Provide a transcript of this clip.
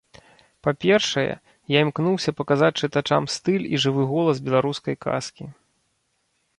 Па-першае, я імкнуўся паказаць чытачам стыль і жывы голас беларускай казкі.